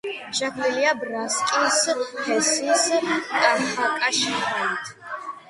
შექმნილია ბრატსკის ჰესის კაშხალით.